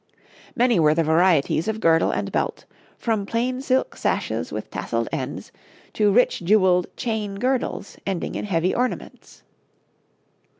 Many were the varieties of girdle and belt, from plain silk sashes with tasselled ends to rich jewelled chain girdles ending in heavy ornaments.